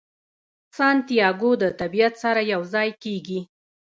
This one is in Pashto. سانتیاګو د طبیعت سره یو ځای کیږي.